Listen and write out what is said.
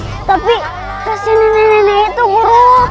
tapi kasian nenek itu guru